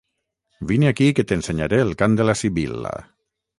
Vine aquí que t'ensenyaré el cant de la Sibil·la